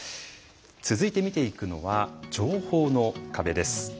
続いて見ていくのは情報の壁です。